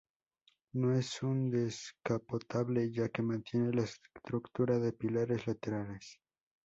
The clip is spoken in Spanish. No es un descapotable, ya que mantiene la estructura de pilares laterales.